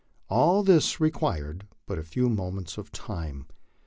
All this required but a few moments of time.